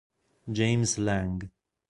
James Lang